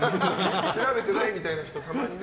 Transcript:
調べてないみたいな人たまにね。